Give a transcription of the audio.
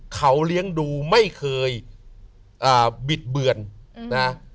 เขาเลี้ยงดูไม่เคยบิดเบือนนะ